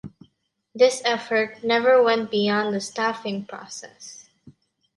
This effort never went beyond the staffing process.